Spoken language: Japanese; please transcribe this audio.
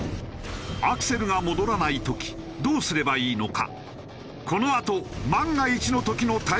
アクセルが戻らない時どうすればいいのか？